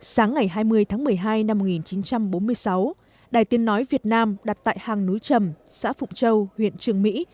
sáng ngày hai mươi tháng một mươi hai năm một nghìn chín trăm bốn mươi sáu đài tiếng nói việt nam đặt tại hàng núi trầm xã phụng châu huyện trường mỹ